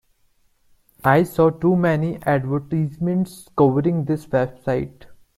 I saw too many advertisements covering this website.